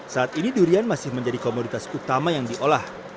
saat ini durian masih menjadi komoditas utama yang diolah